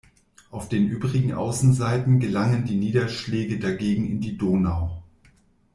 Auf den übrigen Außenseiten gelangen die Niederschläge dagegen in die Donau.